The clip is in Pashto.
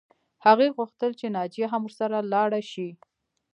هغې غوښتل چې ناجیه هم ورسره لاړه شي